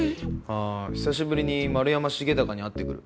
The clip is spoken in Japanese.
あ久しぶりに丸山重孝に会ってくる。